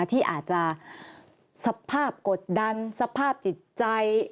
ที่อาจจะสภาพกดดันสภาพจิตใจ